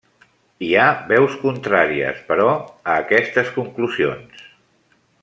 Hi ha veus contràries, però, a aquestes conclusions.